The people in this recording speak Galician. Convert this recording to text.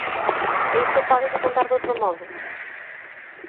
E isto pódese contar doutro modo?